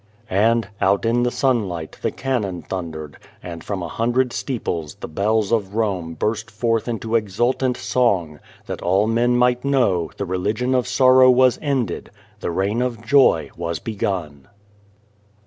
And, out in the sunlight the cannon thun dered, and from a hundred steeples the bells of Rome burst forth into exultant song, that all men might know the Religion of Sorrow was ended, the Reign of Joy was begun.